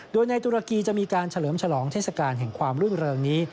โดยในตุรกีจะมีการเฉลิมฉลองเทศกาลแห่งความรื่นเริงนี้